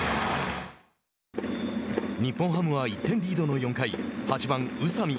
日本ハムは、１点リードの４回８番宇佐美。